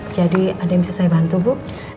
jadi ada yang bisa saya bantu bu